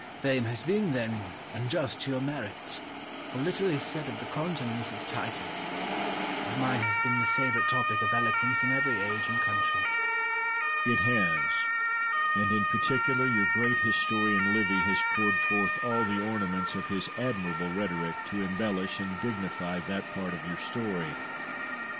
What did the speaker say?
Scipio. Fame has been, then, unjust to your merit, for little is said of the continence of Titus, but mine has been the favourite topic of eloquence in every age and country. Titus. It has; and in particular your great historian Livy has poured forth all the ornaments of his admirable rhetoric to embellish and dignify that part of your story.